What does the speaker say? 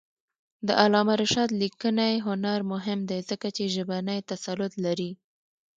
د علامه رشاد لیکنی هنر مهم دی ځکه چې ژبنی تسلط لري.